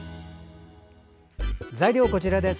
材料はこちらです。